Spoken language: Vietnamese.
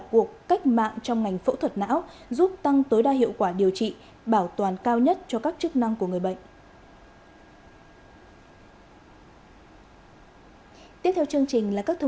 cuộc cách mạng trong ngành phẫu thuật não giúp tăng tối đa hiệu quả điều trị bảo toàn cao nhất cho các chức năng của người bệnh